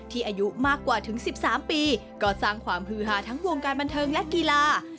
อายุมากกว่าถึง๑๓ปีก็สร้างความฮือหาทั้งวงการบันเทิงและกีฬา